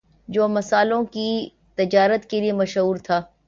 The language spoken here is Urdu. جو مسالوں کی تجارت کے لیے مشہور تھا